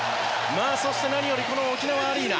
そして、何より沖縄アリーナ